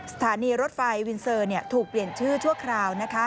สถานีรถไฟวินเซอร์ถูกเปลี่ยนชื่อชั่วคราว